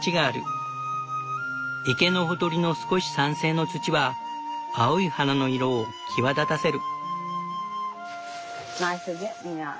池のほとりの少し酸性の土は青い花の色を際立たせる。